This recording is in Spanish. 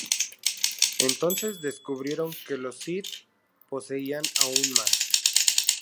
Entonces descubrieron que los Sith poseían aún más.